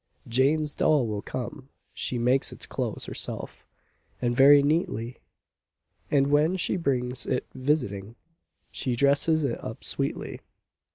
Jane's doll will come—she makes its clothes Herself, and very neatly; And when she brings it visiting, She dresses it up sweetly.